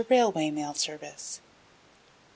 Railway Mail Service. 5.